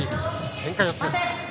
けんか四つ。